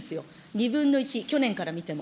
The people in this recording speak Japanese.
２分の１、去年から見ても。